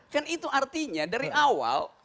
kan itu artinya dari awal